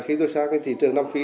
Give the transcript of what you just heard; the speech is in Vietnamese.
khi tôi sang cái thị trường nam phi